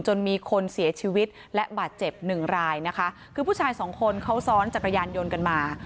จนมีคนเสียชีวิตและบาดเจ็บหนึ่งรายนะคะคือผู้ชายสองคนเขาซ้อนจักรยานยนต์กันมา